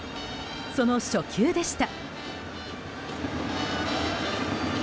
その初球でした。